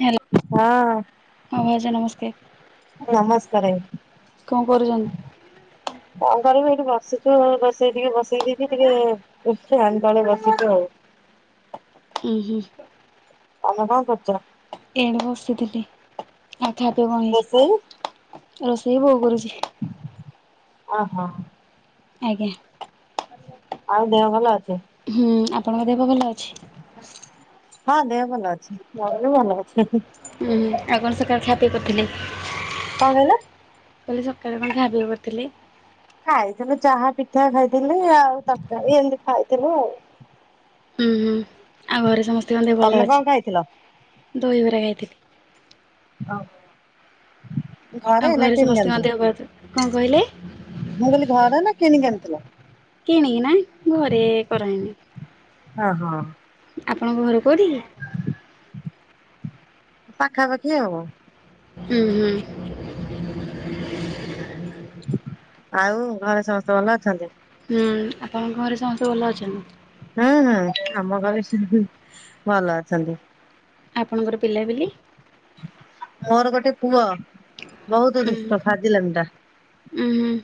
Hello ହଁ ହଁ ଭାଉଜ ନମସ୍କାର ନମସ୍ କଣ କରୁଚନ୍ତି? ଏଠି ବସିଚୁ ରୋଷେଇ ଟିକେ ବସେଇ ଦେଇକି ଟିକେ ଫ୍ୟାନ ତଳେ ବସିଚୁ ଆଉ। ଉଁ ହୁଁ। ତାମେ କଣ କରୁଚ? ଏଠେ ବସି ଥିଲି। ହାପେ ହାପେ ରୋଷେଇ ବଣେଇଚି ରୋଷେଇ ବୋଉ କରୁଚି। ଓ ହୋ। ଆଜ୍ଞା। ଆଉ ଦେହ ଭଲ ଅଛି? ହୁଁ ଆପଣଙ୍କ ଦେହ ପା ଭଲ ଅଛି? ହଁ ଦେହ ପା ଭଲ ଅଛି ବି ଭଲ ଅଛି। ଉଁ ହୁଁ ଆଉ କଣ ସକାଳେ ଖାଇବା ପିଅ କରିଥିଲେ? କଣ କହିଲ? ମୁଁ କହିଲି ସକାଳେ କଣ ଖା ପିଅ କରିଥିଲେ? ଖାଇଥିଲୁ ଚାହା ପିଠା ଖାଇଥିଲି ଆଉ ତରକାରୀ ଏମିତି ଖାଇଥିଲୁ ଆଉ। ଉଁ ହୁଁ ଆଉ ଘରେ ସମସ୍ତଙ୍କ ଦେହ ଭଲ ତମେ କଣ ଅଛି ଖାଇଥିଲ? ଦହିବରା ଖାଇଥିଲି। ଓ। ଆଉ ଘରେ ସମସ୍ତେଙ୍କ ଦେହବାଦ କଣ କହିଲେ? ମୁଁ କହିଲି ଘର ନା କିଣିିକି ଆଣିଥିଲ? କିଣିକି ନା ଘରେ କରାହେଇନି। ଅ ହ। ଆପଣଙ୍କ ଘର କେଉଠିକି? ପାଖା ପାଖି ଆଉ। ହୁଁ ହୁଁ। ଆଉ ଘରେ ସମସ୍ତେ ଭଲ ଅଛନ୍ତି? ହୁଁ ଆପଣଙ୍କ ଘରେ ସମସ୍ତ ଭଲ ଅଛନ୍ତି? ହୁଁ ହୁଁ ଆମ ଘରେ ସବୁ ଭଲ ଅଛନ୍ତି। ଆପଣଙ୍କର ପିଲାପିଲି? ମୋର ଗୋଟେ ପୁଅ ବହୁତ ଉଁ ହୁଁ ଦୁଷ୍ଟ ଫାଜିଲାମ ଟା ଉଁ ହୁଁ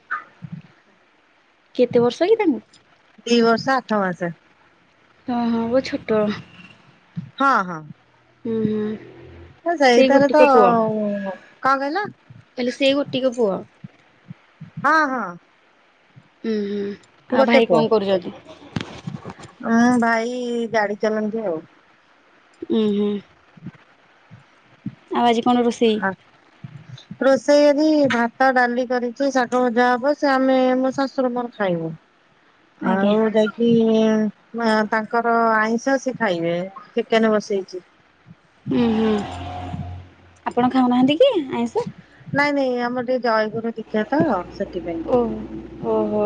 କେତେ ବର୍ଷ ହେଇ ତାଙ୍କୁ? ଦି ବର୍ଷ ଆଠ ମାସ। ହଁ ହଁ ବ ଛୋଟ ହଁ ହଁ। ହୁଁ ହଁ। ଆ ସେଇଥରେ ତ କଣ କହିଲ? କହିଲି ସେ ଗୋଟିିକ ପୁଅ? ହଁ ହଁ। ହୁଁ ହୁଁ। ଆଉ ଗୋଟେ ଭାଇ ପୁଅ କଣ କରୁଛନ୍ତି? ଉଁ ଭାଇ ଇ ଗାଡି ଚାଲନ୍ତି ଆଉ। ହ ହୁଁ। ଆଜି କଣ ରୋଷେଇ? ରୋଷେଇ ଆଜି ଭାତ ଡାଲି କରିଛି ଶାଗ ଭଜା ହବ ସେ ଆମେ ମୋ ଶାଶୁର ମୋର ଖାଇବୁ। ଆଜ୍ଞା ଆଉ ଯାଇକି ମା ତାଙ୍କର ଆଇଁଷ ସେ ଖାଇବେ ଚିକେନ ବସେଇଛି। ହୁଁ ହୁଁ ଆପଣ ଖାଉନାହାନ୍ତି କି ଆଇଁଷ? ନାଇଁ ନାଇଁ ଆମର ଟିକେ ଜୟଗୁରୁ ଦୀକ୍ଷା ତ ସେଥିପାଇଁ ଓହୋ ଓହୋ।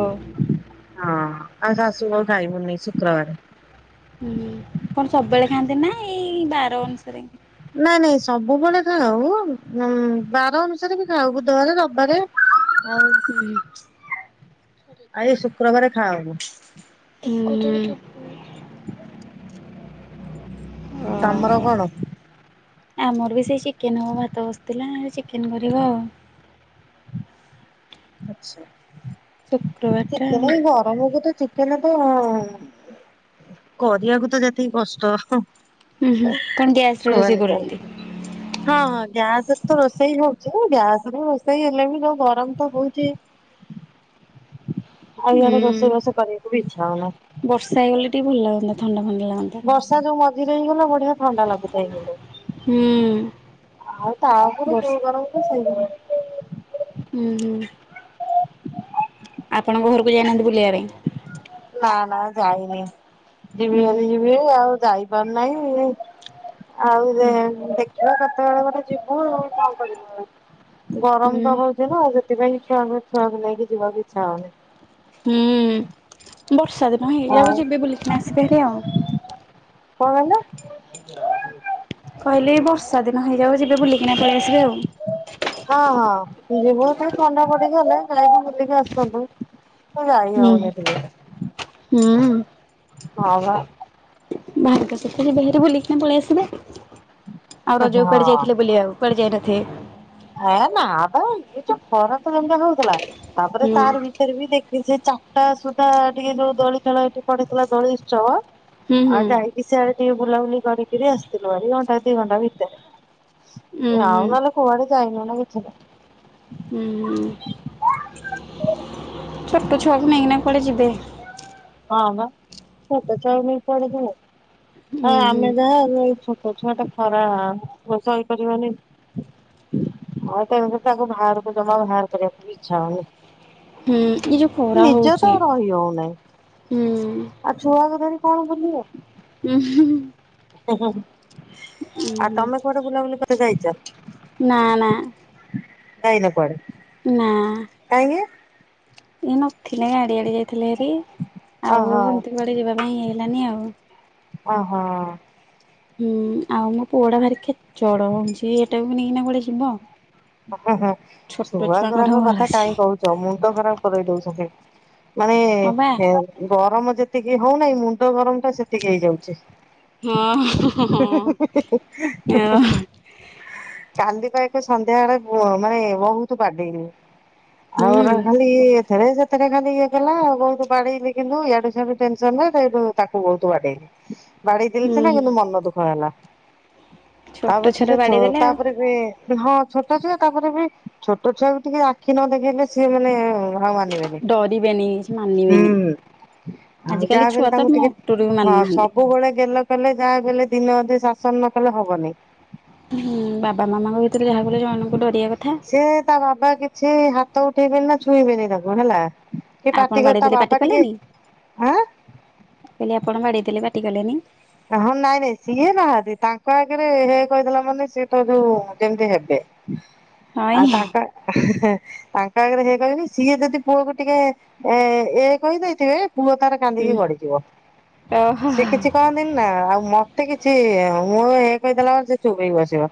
ହଁ। ଆଉ ସାସୁ ବୋହୁ ଖାଇବୁନି ଶୁକ୍ରବାରେ ହୁଁ କଣ ସବୁବେଳେ ଖାଆନ୍ତି ନା ଏଇ ବାର ଅନୁସାରେ। ନାଇଁ ନାଇଁ ସବୁବେଳେ ଖାଉ ଉ ବାର ଅନୁସାରେ ବି ଖାଉ ବୁଧବାର ରବିବାରେ ଆଉ ଓହୋ। ଆଏ ଶୁକ୍ରବାର ଖାଉନୁ। ହ। ତମର କଣ? ଆମର ବି ସେଇ ଚିକେନ ହବ ଭାତ ବସିଥିଲା ଚିକେନ କରିବା ଆଉ। ଆଚ୍ଛା ଶୁକ୍ରବାର ଟା ଆଉ। ଚିକେନ ଗରମ କୁ ତ ଚିକେନ ଓହ କରିବାକୁ ତ ଯେତିକି କଷ୍ଟ ହୁଁ ହୁଁ କଣ ଗ୍ୟାସ ରେ ରୋଷେଇ କୁହନି କୁହନି କରୁଛନ୍ତି? ହଁ ହଁ ଗ୍ୟାସ କେତେବେଳୁ ରୋଷେଇ ହଉଛି ଗ୍ୟାସ ରେ ରୋଷେଇ ହେଲେ ବି ଯୋଉ ଗରମ ତ ହଉଛି ଆଉ ଇଆଡେ ହୁଁ ରୋଷେଇ ବାସ କରିବାକୁ ବି ଇଚ୍ଛା ହଉନି ବର୍ଷା ହେଇଗଲେ ଟିକେ ଭଲ ଲାଗନ୍ତା ଥଣ୍ଡା ଫଣ୍ଡା ଲାଗନ୍ତା। ବର୍ଷା ଯୋଉ ମଝିରେ ହେଇଗଲା ବଢିଆ ଥଣ୍ଡା ଲାଗୁଥାଏ କିନ୍ତୁ ହୁଁ ଆଉ ତାପରୁ ବର୍ଷ ଯୋଉ ଗରମ କୁ ସେଇ ଗରମ। ହୁଁ ହୁଁ। ଆପଣଙ୍କ ଘରକୁ ଯାଇନାହାନ୍ତି ବୁଲିବା ପାଇଁ? ନା ନା ଯାଇନି ଯିବି ହୁଁ ବୋଲି ଯିବି ଆଉ ଯାଇପାରୁ ନାହିଁ ଆଉ ଦେ ହୁଁ ଦେଖିବା କେତେବେଳେ ଗୋଟ ଯିବୁ ଆଉ କଣ କରିବୁ ଆଉ। ଗରମ ହୁଁ। ତ ହଉଛି ନା ସେଥିପାଇଁ କିଆ ଛୁଆକୁ ନେଇକି ଯିବାକୁ ଇଚ୍ଛା ହଉନି। ହୁଁ ବର୍ଷା ଦିନ ହେଇଯାଉ ଆଉ ଯିବି ବୁଲିକି ଆସିବି ହାରି ଆଉ। କଣ କହିଲେ? କହିଲି କି ବର୍ଷା ଦେ ନ ହେଇଯାଉ ଯିବେ ବୁଲିକିନା ପଳେଇ ଆସିବେ ହଁ ଆଉ। ହଁ କି ଆସନ୍ତୁ ତୁ ଯାଇ ହୁଁ ହୋଉନି ଟିକେ। ହୁଁ। ହଁ ବା ବାହାରେ ତ ସେତିକି ବୁଲିକି ବୁଲିକିନା ପଳେଇ ଆସିବେ। ଆଉ ରଜ ହଁ କୁଆଡେ ଯାଇଥିଲେ ବୁଲିବାକୁ କୁଆଡେ ଯାଇନଥିବେ? ଏ ନା ପା ଏଇ ଯୋଉ ଖରା ତ ଏମିତିଆ ହୋଉଥିଲା ତାପରେ ହୁଁ ତାର ଭିତରେ ବି ଦେଖିଲି ସେ ଚା ଟା ସୁଦ୍ଧା ଟିକେ ଯୋଉ ଦୋଳି ଖେଳ ଏଠି ପଢେଇଥିଲା ଦୋଳି ଉତ୍ସବ ହୁଁ ହୁଁ। ଆଉ ଯାଇକି ସିଆଡ ଟିକେ ବୁଲାବୁଲି କରିକିରି ଆସିଥିଲୁ ଭାରି ଘଣ୍ଟା ଦିଇ ଘଣ୍ଟା ଉଁ ଭିତରେ ଆଉ ହୁଁ ନେଲେ କୁଆଡେ [unintelligible] ଇଚ୍ଛା ନାହିଁ। ହୁଁ। ଛୋଟ ଛୁଆକୁ ନେଇକି କୁଆଡେ ଯିବେ। ହଁ ପା ଛୋଟ ଛୁଆଙ୍କ ନେଇକି କୁଆଡେ ଯିବ ହଁ ଉଁ ହୁଁ ଆମେ ବା ଛୋଟ ଛୋଟ ଛୁଆ ଟା ଖରା ସହି ପାରିବନି। ଆଉ ତଣୁକରି ତାକୁ ବାହାରକୁ ଜମା ବାହାର କରିବାକୁ ଇଚ୍ଛା ହୁଁ ଏଇ ଯୋଉ ଖରା ହୋଉନି। ନିଜ ହଉଛି ତ ରହି ହୋଉନେଇ। ହୁଁ ଆଉ ଛୁଆକୁ ଧରି କଣ ବୁଲିବ। ଉହୁଁ। ଉହୁଁ ଆଉ ତମେ କୋଆଠେ ବୁଲାବୁଲି କଥାେ ଯାଇଚ? ନା ଯାଇନ କୁଆଡେ ନାଁ। କାହିଁକି? ଇଏ ନଥିଲେ ଗାଡ଼ି ଆଡେ ଯାଇ ଥିଲେ ହାରି ଆଉ ଓହୋ ସେମିତି କୁଆଡ଼େ ଯିବା ପାଇଁ ହେଲାନି ଆଉ। ଓହୋ। ହୁଁ ଆଉ ମୋ ପୁଅଡା ଭାରି ଖେଚଡ ହୋଉଚି ହେଟାକୁ ନେଇକିନା ବି କୁଆଡେ ଯିବ। ଓହୋ ଛୋଟ ଛୁଆ ଛୁଆଙ୍କଠୁ ଗୁଡାରଙ୍କ କଥା ଭଲସେ କାଇଁ କୋହୁଚ ମୁଣ୍ଡ ଖରାପ କରେଇ ଦୋଉଚନ୍ତି। ମାନେ ହଁ ବା ଗରମ ଯେତିକି ହଉନାହିଁ ମୁଣ୍ଡ ଗରମ ଟା ସେତିକି ହେଇଯାଉଚି। ହଁ ହଁ ହିଁ ହିଁ ହିଁ ହଁ ହିଁ ହିଁ ହୁଁ ହୁଁ ହୁଁ। କାଲି ପା ଏକେ ସନ୍ଧ୍ୟା ବେଳେ ମାନେ ବହୁତ ବାଡେଇଲି। ହୁଁ ଆଉ ରହିଲେ ଏଥେରେ ସେଥେରେ ଖାଲି ଇଏ କଲା ବହୁତ ବାଡେଇଲି କିନ୍ତୁ ଇଆଡୁ ସିଆଡୁ ଟେନସନ ସେଠୁ ତାକୁ ବହୁତ ବାଡେଇଲି। ବାଡେଇଥିଲି ହୁଁ ସିନା ହୁଁ କିନ୍ତୁ ମନ ଦୁଃଖ ହେଲା। ତା ଛୋଟ ପଛରେ ଛୁଆଟାକୁ ଛ ବାଡେଇ ଦେଲେ ଆଉ ତାପରେ ବି ହଁ ଛୋଟ ଛୁଆ ତାପରେ ବି ଛୋଟ ଛୁଆକୁ ଟିକେ ଆଖି ନ ଦେଖେଇଲେ ସିଏ ମାନେ ଆଉ ମାନିବେନି ଡରିବେନି କିଛି ମାନିବେନି ହୁଁ। ଆଉ ଆଜିକାଲି ଯାହା ଛୁଆ ବଲେ ତ ତାଙ୍କୁ ଟିକେ ମୋଟରୁ ବି ହଁ ମାନୁନାହାନ୍ତି ସବୁବେଳେ ଗେଲ କଲେ ଯାହା ବଲେ ଦିନ ଅଧେ ଶାସନ ନ କଲେ ହବନି। ହୁଁ ବାବା ମାମାଙ୍କ ଭିତରେ ଯାହା କହିଲେ ଜଣଙ୍କୁ ଡରିବା କଥା। ସେ ତା ବାବା କିଛି ହାତ ଉଠେଇବେନି ନା ଛୁଇଁବେନି ତାକୁ ହେଲା। କି ଆପଣ ପାଟି କରି ବାଡେଇ ତା ଦେଲେ ବାବା ପାଟି ଟିକେ କଲେନି ଆଁ ବୋଲେ ଆପଣ ବାଡେଇ ଦେଲେ ପାଟି କଲେନି ହଁ ନାଇଁ ନାଇଁ ସିଏ ନାହାନ୍ତି। ତାଙ୍କ ଆଗରେ ହେ କହିଦେଲାମାନେ ସିଏ ତ ଯୋଉ ଯେମିତି ହେବେ ହଇ ଆଉ ତାଙ୍କ ତାଙ୍କ ଆଗରେ ହେଇ କହନି ସିଏ ଯଦି ପୁଅକୁ ଟିକେ ଏ କହିଦେଇଥିବେ ପୁଅ ତାର ହୁଁ କାନ୍ଦିକି ଗଡିଯିବ ଓହୋ ସେ କିଛି କହ ଆଉ ମତେ କିଛି ମୁଁ ଇ କହିଦେଲା ସେ ଚୁପ ହେଇକି ବ।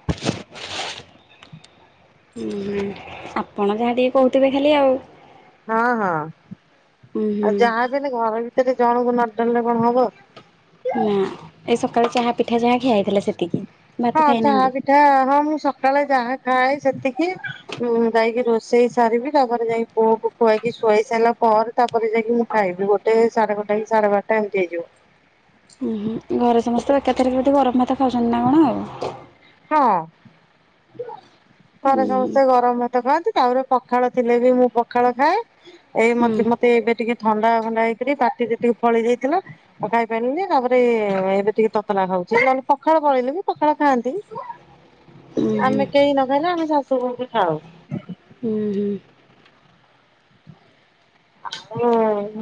ଉହୁଁ ଆପଣ ଯାହା ଟିକେ କହୁଥିବେ ଖାଲି ଆଉ। ହଁ ହଁ ହୁଁ ଆଉ ହୁଁ ଯାହା ବି ହେଲେ ଘର ଭିତରେ ଜଣକୁ ନଟଣିଲେ କଣ ହବ। ନାଁ ଏଇ ସକାଳୁ ଚାହା ପିଠା ଯାହା ଖିଆଇଥିଲା ସେତିକି ଭାତ ହଁ ଚାହା ଖାଇନାହାନ୍ତି। ପିଠା ହଁ ମୁଁ ସକାଳେ ଯାହା ଖାଏ ସେତିକି ଉଁ ଯାଇକି ରୋଷେଇ ସାରିବି ତାପରେ ଯାଇକି ପୁଅକୁ ଖୁଆଇକି ଶୁଆଇ ସାରିଲା ପରେ ତା ତାପରେ ଯାଇକି ମୁଁ ଖାଇବି ଗୋଟେ ସାଢେ ଗଟେକି ସାଢେ ବାରଟା ଏମିତି ହେଇଯିବ। ଉହୁଁ ଘରେ ସମସ୍ତେ ଏକାଥର ବୋଧେ ଗରମ ଭାତ ଖାଉଛନ୍ତି ନା କଣ? ହଁ ଉଁ ଥରେ ସମସ୍ତେ ଗରମ ଭାତ ଖାଆନ୍ତି ତାପରେ ପଖାଳ ଥିଲେ ବି ମୁଁ ପଖାଳ ଖାଏ ଏଇ ହୁଁ ମତେ ମତେ ଏବେ ଟିକେ ଥଣ୍ଡା ଫଣ୍ଡା ହେଇକିରି ପାଟିରେ ଟିକେ ଫଳି ଯାଇଥିଲା ଖାଇପାରିଲିନି ତାପରେ ଏବେ ଟିକେ ତତଲା ଖାଉ [unintelligible] ପଖାଳ ବଳିଲେ ବି ପଖାଳ ଖାଆନ୍ତି। ହୁଁ ହୁଁ ଆମେ କେହି ନ ଖାଇନେ ଆମେ ଶାଶୁ ବୋହୁ ବି ଖାଉ। ହୁଁ ହୁଁ ହଁ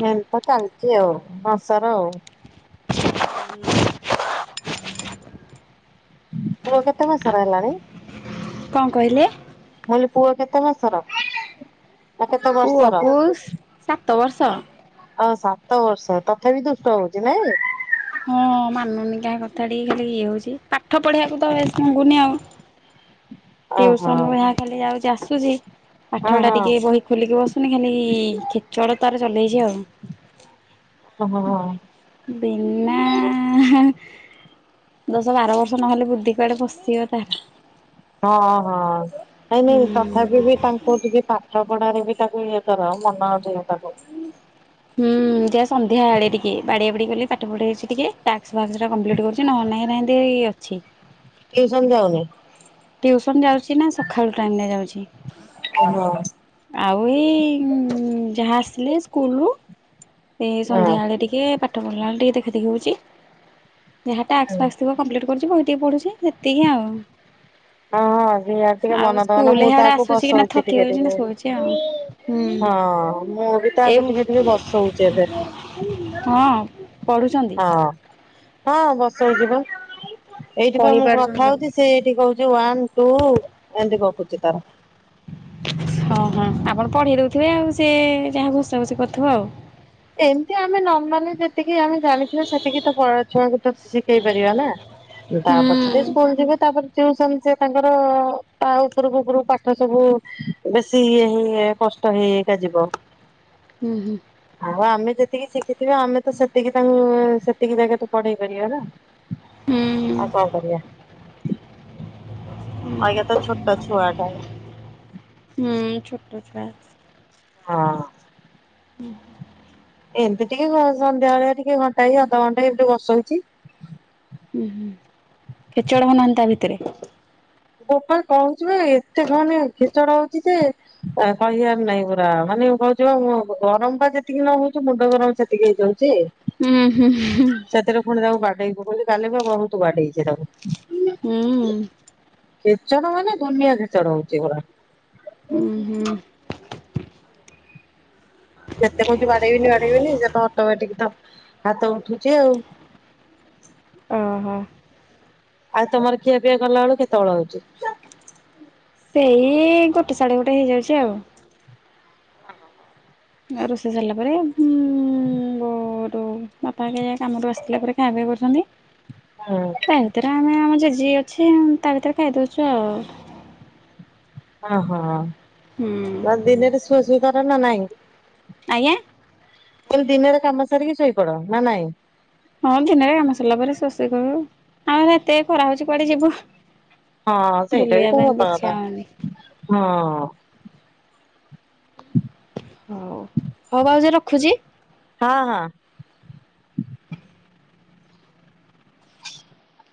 ହେମତ ଚାଲିଛି ଆଉ ସଂସାର ଆଉ। [inaudible] ପୁଅ କେତେ ମାସର ହେଲାଣି? କଣ କହିଲେ? ତାହେଲେ ପୁଅ କେତେ ମାସର? ନା କେତେ ବର୍ଷର? ପୁଅକୁ ସାତ ବର୍ଷ। ଆଉ ସାତ ବର୍ଷ ତଥାପି ଦୁଷ୍ଟ ହଉଚି ନାଇଁ। ହଁ ମାନୁନି କାହା କଥା ଟିକେ ଖାାଲି ଇଏ ହଉଚି ପାଠ ପଢିବାକୁ ତ ବେଶୀ ମଙ୍ଗୁନି ଆଉ। ଓହୋ ଟିଉସନରୁ ଯାହା ଖାଲି ଯାଉଚି ଆସୁଚି। ହଁ ପାଠ ଟା ହଁ। ଟିକେ ବହି ଖୋଲିକି ବସୁନି ଖାଲି ଖେଚଡ ତାର ଚଲେଇଚି ଆଉ। ହଁ। ନାଁ ଆଁ ଆଁ ଆଁ ହାଁ ଆ ଦଶ ବାର ବର୍ଷ ନହେଲେ ବୁ ଦୀ ଇ କୁଆଡେ ପସିଗଲା। ହେଇନେଇ ତଥାବି ବି ତାଙ୍କୁ ଟିକେ ପା ଠ ପଢାରେ ବି ତାକୁ ଇଏ କର ମନ ଦିଅ ତାକୁ। ହୁଁ ଯା ସନ୍ଧ୍ୟାବେଳେ ଟିକେ ବାଡିଆ ବାଡି କଲି ପାଠ ପଢେଇଚି ଟିକେ ଟାସ୍କ ଫାକ୍ସ ଗୁଡା କମ୍ପ୍ଲିଟ କରୁଚି ନ ହେନେ ନାଇଁ ନାହିଁ ହେରା ହେମତି ଅଛି। ଟିଉସନ ଯାଉନି ଟିଉସନ୍‌ ଯାଉଚି ନା ସଖାଳୁ ଟାଇମ୍‌ ଟା ଯାଉଚି? ଓହୋ ଆଉ ଏଇ ଇ ଇ ଯାହା ଆସିଲେ ସ୍କୁଲ୍‌ ରୁ। ଏଇ ସନ୍ଧ୍ୟା ହଁ। ଏଳେ ଟିକେ ପାଠ ପଢିଲା ବେଳେ ଟିକେ ଦେଖା ଦେଖି ହଉଚି। ଯାହାଟା ଟାକ୍ସ ହଁ ଫାକ୍ସ ଥିବ କମ୍ପ୍ଲିଟ୍ କରୁଚି ବହି ଟିକେ ପଢ଼ୁଛି ସେତିକି ଆଉ। ହଁ ହଁ ଦି ଆଡୁ ଟିକେ ଆଉ ମନ ଦବ ନା ସ୍କୁଲ ମୁଁ ଇଆଡେ ତାକୁ ଆସୁଛି କି ନା ବସଉଚି ଥକି ଟିକେ ଯାଉଛି ନା ଟିକେ। ଶୋଉଛି ଆଉ ହଁ ଅଁ ମୁଁ ବି ଏଇ ତାକୁ ଟିକେ ଟିକେ ବସଉଚି। କିଏ ସେ ହଁ ପଢୁଛନ୍ତି ହଁ। ହଁ ବସଉଚି ପା ଏଇଠି ପା ମୁଁ କହିପାରୁଛନ୍ତି କଥା ସବୁ। ହଉଛି ସେ ଏଇଠି କହୁ ଚି ୱାନ୍‌ ଟୁ ଉ ଏମିତି ଗପୁଚି ତାର। ହଁ ହଁ ଆପଣ ପଢେଇ ଦଉଥିବେ ଆଉ ସେ ଯାହା ଘୋଷା ଘୋଷି କରୁଥିବ ଆଉ। ଏମିତି ଆମେ ନର୍ମାଲ୍‌ ରେ ଯେତିକି ଆମେ ଜାଣିଥିବା ସେତିକି ତ ପ ଛୁଆଙ୍କୁ ଶିଖେଇ ପାରିବା ନା। ତା ହୁଁ ପଛରେ ସ୍କୁଲ ଯିବେ ତାପରେ ଟିଉସନ୍‌ ସେ ତାଙ୍କର ତା ଉପୁରୁ ଉପୁରୁ କୁ ପାଠ ସବୁ ବେଶି ଇଏ ହେଇ କ ଷ୍ଟ ହେଇ ହେଇ କା ଯିବ। ହୁଁ ହୁଁ। ହଁ ଆମେ ଯେତିକି ଶିଖିଥିବା ଆମେ ତ ସେତିକି ତାଙ୍କୁ ସେତିକି ଜାଗା ରେ ପଢେଇ ପାରିବା ନା। ହୁଁ ଉଁ। ଆଜ୍ଞା ତ ଛୋଟ ଛୁଆଟା। ହୁଁ ଛୋଟ ଛୁଆ। ହଁ ଅଁ। ହୁଁ। ଏମତି ଟିକେ ଘ ସନ୍ଧ୍ୟା ବେଳିଆ ଟିକେ ଘଣ୍ଟାଏ ଅଧଘଣ୍ଟେ ଏମ୍ ତି ବସଉଚି। ହୁଁ ହୁଁ ଖେଚଡ କରୁନାହାନ୍ତି ତା ଭିତରେ? [unintelligible] କହୁଚି ପା ଏତେ କହନି ଖେଚଡ ହଉ କହୁଚି ଯେ କହିବାର ନାହିଁ ପୁରା ମାନେ କହୁଚି ପା ମୁଁ ଗରମ୍ ପା ଯେତିକି ନ ହଉଛି ମୁଣ୍ଡ ଗରମ ସେତିକି ହେଇଯାଉ ଚି ହୁଁ ହୁଁ ହୁଁ ସେଥିରୁ ପୁଣି ତାକୁ ବାଡେଇ ପକୋଉଚି କାଲି ପା ବହୁତ୍‌ ବାଡେଇଚି ତାକୁ। ହୁଁ ଉଁ। ଖେଚଡ ମାନେ ଦୁନିଆ ଖେଚଡ ହଉଚି [unintelligible] ଉଁ ହୁଁ। ଯେତେ କୋଉଚି ବାଡେଇବିନି ବାଡେଇବିନି ସେ ତ ଅଟୋମେଟିକ୍ ତ। ହାତ ଉଠୁଚି ଆଉ। ଅ ହ ଆଉ ତମର ଖିଆ ପିଆ ଗଲା ବେଳକୁ କେତେବେଳ ହୋଉଚି। ସେଇ ଇ ଇ ଗୋଟେ ସାଢେ ଗୋଟେ ହେଇଯାଉଚି ଆଉ ଆଉ ରୋଷେଇ ସରିଲା ପରେ ହଁ ଉଁ ଉଁ [unintelligible] ବାପା [inaudible] କାମ ରୁ ଆସିଲା ପରେ ଖା ପିଆ କରୁଛନ୍ତି। ହୁଁ ତା ଭିତରେ ଆମେ ଆମ ଯେଝା ଯିଏ ଅଛି ତା କତିରେ ଖାଇଦଉଛୁ ଆଉ। ଓହୋ ହୁଁ। ଆଉ ଦିନେରେ ସୁଆ ସୁଇ କର ନା ନାଇଁ। ଆଜ୍ଞା! ମୁଁ କଇଲି ଦିନରେ କାମ ସାରିକି ଶୋଇପଡ ନା ନାଇଁ। ହଁ ଦିନରେ କାମ ସରିଲା ପରେ ସୁଆ ସୋଇ କରୁ, ହଁ ଏତେ ଖରା ହଉଚଚି କୁଆଡେ ଯିବୁ। ହଁ ସେଇଟା ବି ବୁଲିବା ପାଇଁ କୋଉ ଇଚ୍ଛା ହଉନି ହବାକଥା। [inaudible] ହଉ ଭାଉଜ ରଖୁଛି। ହଁ ହଁ।